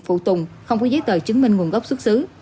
phụ tùng không có giấy tờ chứng minh nguồn gốc xuất xứ